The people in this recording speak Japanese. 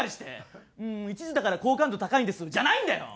「うーん一途だから好感度高いんです」じゃないんだよ！